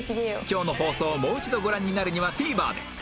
今日の放送をもう一度ご覧になるには ＴＶｅｒ で